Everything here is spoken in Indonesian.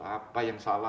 apa yang salah